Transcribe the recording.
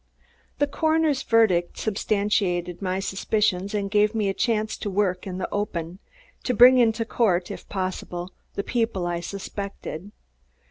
The coroner's verdict substantiated my suspicions and gave me a chance to work in the open; to bring into court, if possible, the people I suspected.